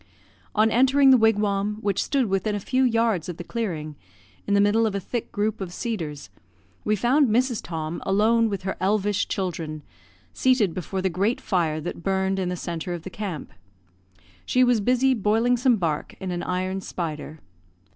On entering the wigwam, which stood within a few yards of the clearing, in the middle of a thick group of cedars, we found Mrs. Tom alone with her elvish children, seated before the great fire that burned in the centre of the camp; she was busy boiling some bark in an iron spider.